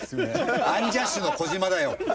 アンジャッシュの児嶋だよ。